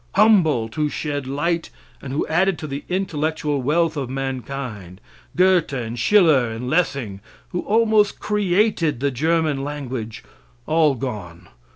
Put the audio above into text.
Humboldt, who shed light, and who added to the intellectual wealth of mankind, Goethe, and Schiller, and Lessing, who almost created the German language all gone!